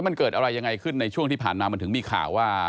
มันเกิดอะไรยังไงขึ้นในช่วงที่ผ่านมามันถึงมีข่าวว่า